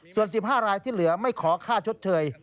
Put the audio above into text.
ส่วน๑๕รายที่เหลือไม่ขอค่าชดเชย